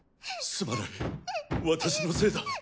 すまない私のせいだ。